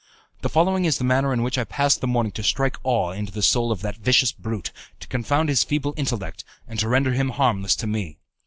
The following is the manner in which I passed the morning to strike awe into the soul of that vicious brute, to confound his feeble intellect, and to render him harmless to me.